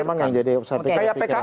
ini memang yang jadi usaha pikiran